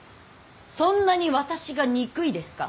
そんなに私が憎いですか。